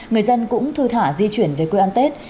người dân cũng thư thả di chuyển về quê ăn tết